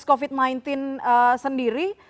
covid sembilan belas sendiri